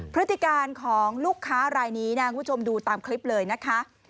พฤติการของลูกค้ารายนี้นะคุณผู้ชมดูตามคลิปเลยนะคะ